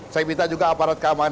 saya minta juga aparat keamanan